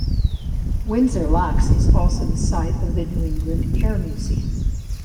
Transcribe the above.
Windsor Locks is also the site of the New England Air Museum.